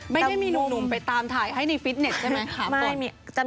ไม่ได้มีหนุ่มไปตามถ่ายให้ในฟิตเน็ตใช่ไหม